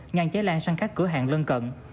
ngang cháy lan sang các cửa hàng lân cận